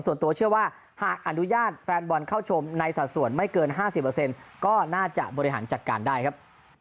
ส่วนตัวเชื่อว่าหากอนุญาตแฟนบอลเข้าชมในสัดส่วนไม่เกิน๕๐ก็น่าจะบริหารจัดการได้ครับ